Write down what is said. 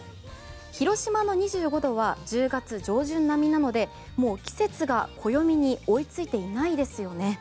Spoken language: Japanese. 広島の２５度は１０月上旬並みなのでもう季節が暦に追いついていないですよね。